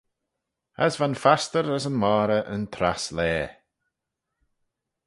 As va'n fastyr as y moghrey yn trass laa.